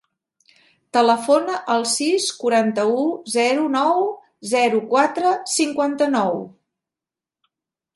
Telefona al sis, quaranta-u, zero, nou, zero, quatre, cinquanta-nou.